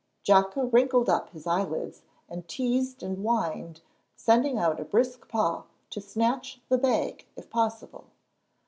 Jocko wrinkled up his eyelids and teased and whined, sending out a brisk paw to snatch the bag if possible.